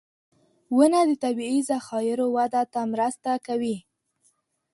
• ونه د طبعي ذخایرو وده ته مرسته کوي.